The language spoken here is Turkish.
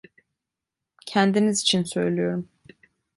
Kendiniz için söylüyorum.